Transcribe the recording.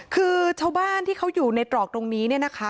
คือชาวบ้านที่เขาอยู่ในตรอกตรงนี้เนี่ยนะคะ